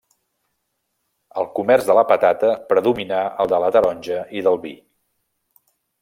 El comerç de la patata predominà al de la taronja i del vi.